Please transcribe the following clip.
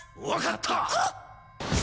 わかった！！